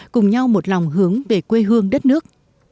cùng nhau một lòng hướng về quê hương đất nước